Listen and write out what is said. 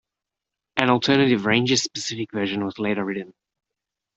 An alternative Rangers-specific version was later written.